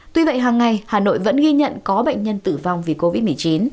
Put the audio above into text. tuy vậy hàng ngày hà nội vẫn ghi nhận có bệnh nhân tử vong vì covid một mươi chín